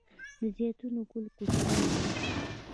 د زیتون ګل کوچنی وي؟